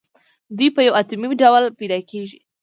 دوی په یو اتومي ډول پیداکیږي.